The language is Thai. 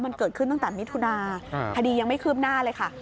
มันเกิดขึ้นตั้งแต่มิถุนาคดียังไม่คืบหน้าเลยค่ะ